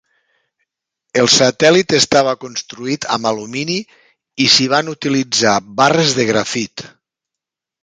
El satèl·lit estava construït amb alumini i s'hi van utilitzar barres de grafit.